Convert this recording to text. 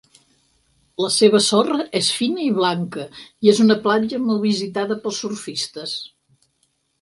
La seva sorra és fina i blanca i és una platja molt visitada pels surfistes.